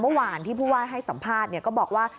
เมื่อวานที่ผู้ว่าให้สัมภาษณ์ก็บอกว่า